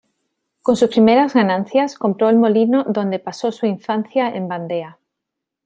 Con sus primeras ganancias, compró el molino donde pasó su infancia en Vandea.